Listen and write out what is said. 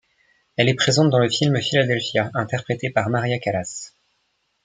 Elle est présente dans le film Philadelphia, interprétée par Maria Callas.